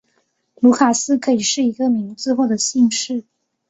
卢卡斯可以是一个名字或姓氏。